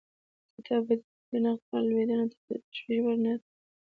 د تبادلې د نرخ رالوېدنه تل د تشویش وړ نه ده.